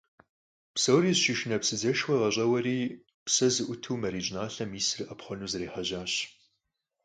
Псори зыщышынэ псыдзэшхуэр къащӀэуэри псэ зыӀуту Марий щӀыналъэм исыр Ӏэпхъуэну зэрехьэжьащ.